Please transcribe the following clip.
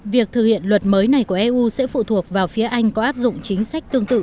việc thực hiện luật mới này của eu sẽ phụ thuộc vào phía anh có áp dụng chính sách tương tự